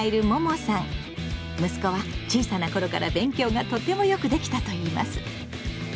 息子は小さな頃から勉強がとてもよくできたといいます。